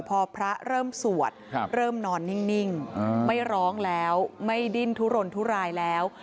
พอพระเริ่มสวดเริ่มนอนนิ่งไม่ร้องแล้วไม่ดิ้นทุรนทุรายแล้ว